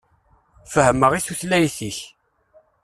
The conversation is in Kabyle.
Fehhmeɣ i tutlayt-ik.